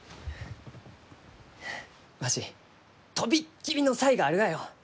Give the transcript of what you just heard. わし飛びっ切りの才があるがよ！